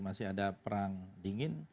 masih ada perang dingin